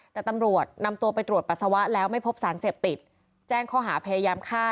แต่ตำรวจนำตัวไปตรวจปัสสาวะแล้วไม่พบสารเสพติดแจ้งข้อหาพยายามฆ่า